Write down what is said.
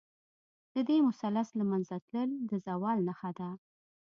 د دې مثلث له منځه تلل، د زوال نښه ده.